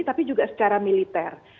tapi juga secara militer